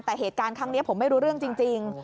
แต่เหตุการณ์ครั้งนี้ผมไม่รู้เรื่องจริง